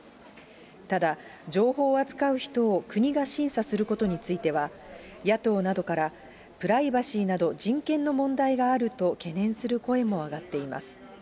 ただ、情報を扱う人を国が審査することについては、野党などからプライバシーなど人権の問題があると懸念する声も上がっています。